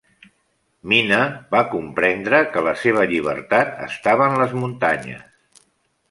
Mina va comprendre que la seva llibertat estava en les muntanyes.